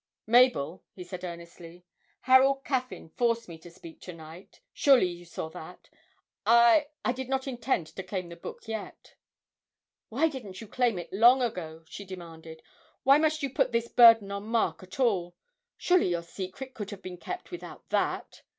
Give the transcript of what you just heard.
'Mabel,' he said earnestly, 'Harold Caffyn forced me to speak to night surely you saw that? I I did not intend to claim the book yet.' 'Why didn't you claim it long ago?' she demanded. 'Why must you put this burden on Mark at all? Surely your secret could have been kept without that!